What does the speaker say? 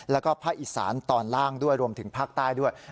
แล้วก็ภาคอีสานตอนล่างด้วยรวมถึงภาคใต้ด้วย